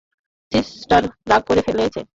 Sister রাগ করে ফেলেছে।